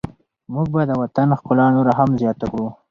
موږ به د وطن ښکلا نوره هم زیاته کړو.